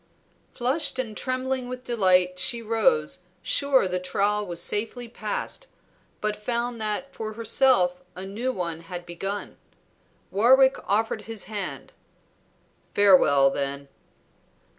Flushed and trembling with delight she rose, sure the trial was safely passed, but found that for herself a new one had begun. Warwick offered his hand. "Farewell, then."